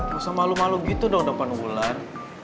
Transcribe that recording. gak usah malu malu gitu dong tempat nunggu lan